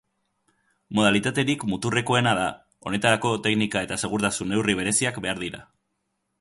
Modalitaterik muturrekoena da, honetarako teknika eta segurtasun neurri bereziak behar dira.